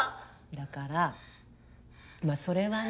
だからまあそれはね。